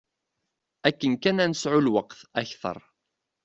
Akken kan ad nesɛu lweqt kter.